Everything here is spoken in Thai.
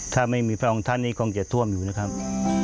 ถ้าไม่มีพระองค์ท่านนี้คงจะท่วมอยู่นะครับ